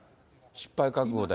失敗覚悟で。